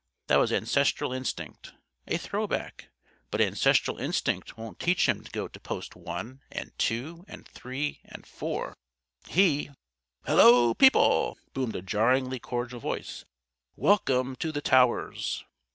That was ancestral instinct. A throwback. But ancestral instinct won't teach him to go to Post 1 and 2 and 3 and 4. He " "Hello, people!" boomed a jarringly cordial voice. "Welcome to the Towers!"